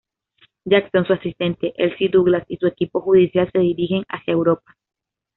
Jackson, su asistente Elsie Douglas y su equipo judicial se dirigen hacia Europa.